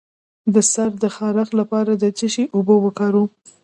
د سر د خارښ لپاره د څه شي اوبه وکاروم؟